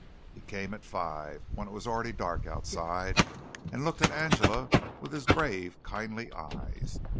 He came at five, when it was already dark outside, and looked at Angela with his grave, kindly eyes.